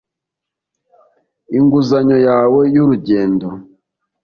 inguzanyo yawe y urugendo